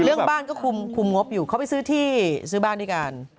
เรื่องบ้านก็คุมงบอยู่เขาไปซื้อที่ซื้อบ้านด้วยกัน